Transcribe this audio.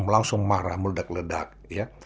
langsung marah meledak ledak ya